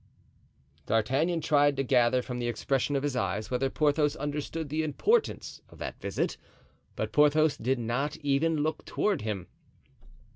D'Artagnan tried to gather from the expression of his eyes whether Porthos understood the importance of that visit, but Porthos did not even look toward him.